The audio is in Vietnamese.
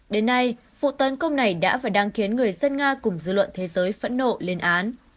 đến nay vụ tấn công này đã và đang khiến người dân nga cùng dư luận thế giới phẫn nộ lên án